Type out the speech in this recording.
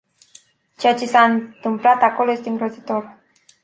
Ceea ce s-a întâmplat acolo este îngrozitor.